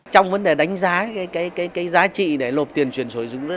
trong vấn đề đánh giá cái giá trị để lộp tiền truyền sử dụng